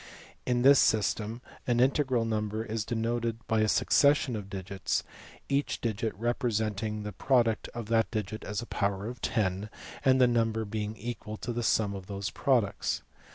In this system an integral number is denoted by a succession of digits, each digit representing the product of that digit and a power of ten, and the number being equal to the sum of these pro ducts.